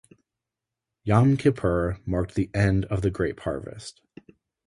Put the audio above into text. Yom Kippur marked the end of the grape harvest.